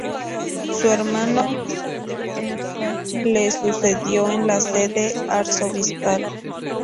Su hermano Eustache le sucedió en la sede arzobispal.